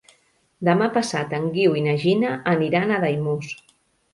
Demà passat en Guiu i na Gina aniran a Daimús.